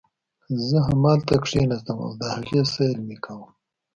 زه همالته کښېناستم او د هغې سیل مې کاوه.